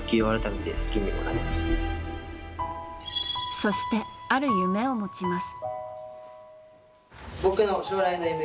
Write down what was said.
そして、ある夢を持ちます。